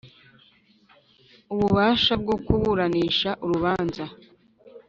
ububasha bwo kuburanisha urubanza .